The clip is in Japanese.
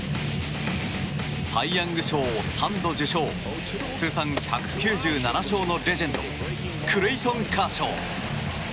サイ・ヤング賞を３度受賞通算１９７勝のレジェンドクレイトン・カーショー。